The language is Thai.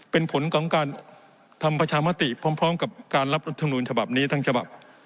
เป็นผลของการทำประชามติพร้อมกับการรับรัฐมนุนฉบับนี้ทั้งฉบับ